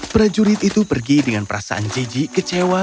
prajurit itu pergi dengan perasaan jijik kecewa